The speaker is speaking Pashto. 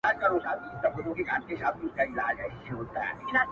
سیاه پوسي ده’ خاوري مي ژوند سه’